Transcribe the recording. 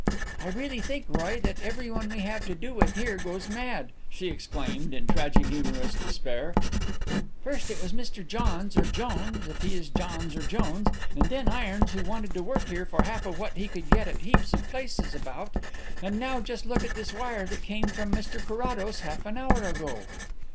"I really think, Roy, that everyone we have to do with here goes mad," she exclaimed, in tragi humorous despair. "First it was Mr Johns or Jones if he is Johns or Jones and then Irons who wanted to work here for half of what he could get at heaps of places about, and now just look at this wire that came from Mr Carrados half an hour ago."